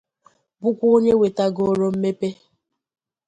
bụkwa onye wetagoro mmepe